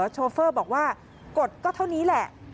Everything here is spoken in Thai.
โชเฟอร์บอกว่ากดก็เท่านี้แหละ